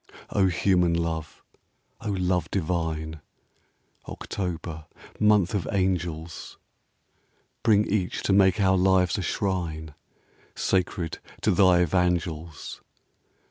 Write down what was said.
Oh, human love ! Oh, love divine ! October, month of angels, Bring each to make our lives a shrine Sacred to thy Evangels